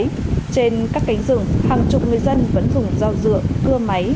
trên các cánh rừng hàng chục người dân vẫn dùng dao dựa cưa máy